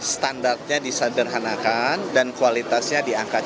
standarnya disederhanakan dan kualitasnya diangkat